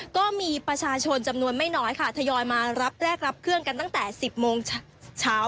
ก็มีประชาชนจำนวนไม่น้อยค่ะทยอยมารับแรกรับเครื่องกันตั้งแต่๑๐โมงเช้า